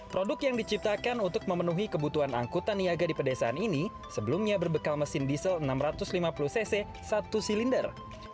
produk yang diciptakan untuk memenuhi kebutuhan angkutan niaga di pedesaan ini sebelumnya berbekal mesin diesel enam ratus lima puluh cc satu silinder